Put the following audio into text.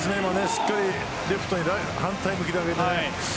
しっかりレフトに反対向きで上げていて。